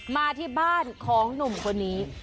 มาที่บ้านของหนุ่มคนนี้